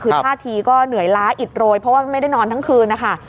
คือท่าทีก็เหนื่อยล้าอิดโรยเพราะว่าไม่ได้นอนทั้งคืนนะคะ